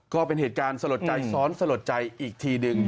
ก็เป็นเหตุการณ์สลดใจซ้อนสลดใจอีกทีหนึ่ง